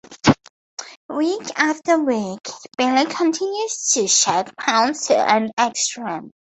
Week after week, Billy continues to shed pounds to an extreme.